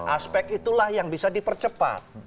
aspek itulah yang bisa dipercepat